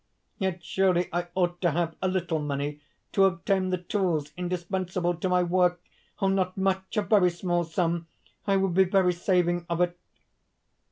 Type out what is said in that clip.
Yet surely I ought to have a little money to obtain the tools indispensable to my work? Oh, not much! a very small sum.... I would be very saving of it....